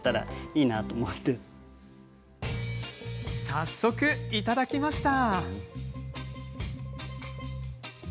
早速、いただきました。